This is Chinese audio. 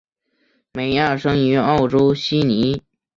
美亚生于澳洲悉尼。